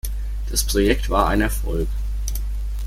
Das Projekt war ein Erfolg.